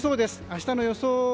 明日の予想